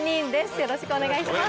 よろしくお願いします。